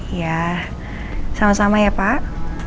ya sama sama ya pak